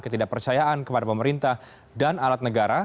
ketidakpercayaan kepada pemerintah dan alat negara